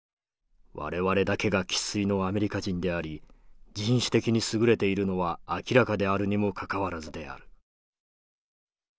我々だけが生っ粋のアメリカ人であり人種的にすぐれているのは明らかであるにもかかわらずである」。